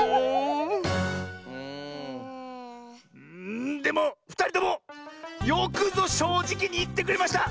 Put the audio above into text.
んでもふたりともよくぞしょうじきにいってくれました！